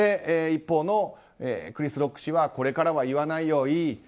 一方のクリス・ロック氏はこれからは言わないよ、いい？